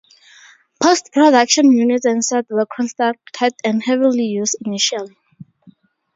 Post-production units and sets were constructed and heavily used initially.